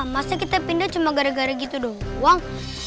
masa kita pindah cuma gara gara gitu doang uang